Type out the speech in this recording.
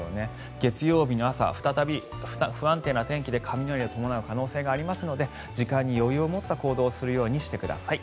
月曜日の朝、再び不安定な天気で雷を伴う可能性がありますので時間に余裕を持った行動をするようにしてください。